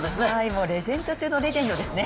もうレジェンド中のレジェンドですね。